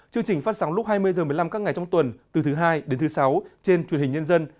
chương trình phát sóng lúc hai mươi h một mươi năm các ngày trong tuần từ thứ hai đến thứ sáu trên truyền hình nhân dân